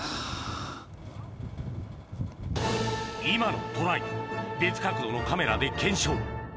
今のトライ別角度のカメラで検証